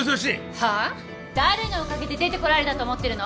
誰のおかげで出てこられたと思ってるの？